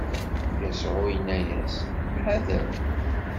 Yasuɛ inna-as: Ḥader!